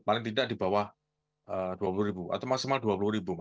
paling tidak di bawah rp dua puluh atau maksimal rp dua puluh